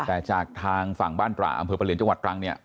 แต่จากทางฝั่งบ้านตระอำเภอประเหลียนจังหวัดตรังเนี่ย